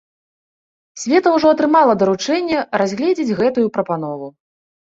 Савета ўжо атрымала даручэнне разгледзець гэтую прапанову.